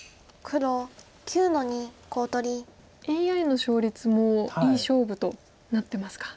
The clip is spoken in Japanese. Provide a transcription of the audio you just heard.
ＡＩの勝率もいい勝負となってますか。